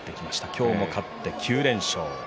今日も勝って９連勝。